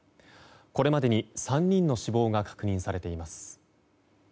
これまでに３人の死亡が確認されています。